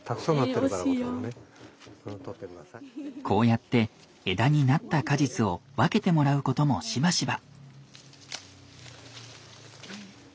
こうやって枝になった果実を分けてもらうこともしばしば。